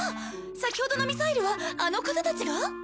先ほどのミサイルはあの方たちが？